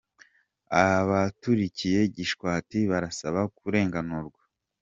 Abatuririye Gishwati barasaba kurenganurwa